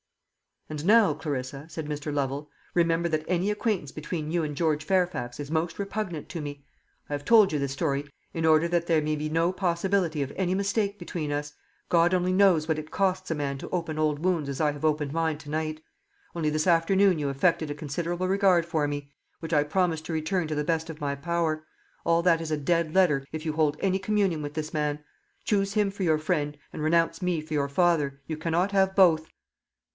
"And now, Clarissa," said Mr. Lovel, "remember that any acquaintance between you and George Fairfax is most repugnant to me. I have told you this story in order that there may be no possibility of any mistake between us. God only knows what it costs a man to open old wounds as I have opened mine to night. Only this afternoon you affected a considerable regard for me, which I promised to return to the best of my power. All that is a dead letter if you hold any communion with this man. Choose him for your friend, and renounce me for your father. You cannot have both."